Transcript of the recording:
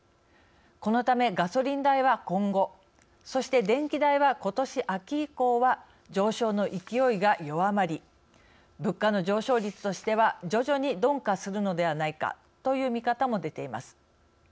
このためガソリン代は今後そして電気代はことし秋以降は上昇の勢いが弱まり物価の上昇率としては徐々に鈍化するのではないかという見方も出ています。